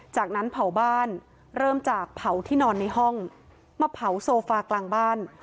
จากนั้นเผาบ้านเริ่มจากเผาที่นอนในห้องมาเผาโซฟากลางบ้าน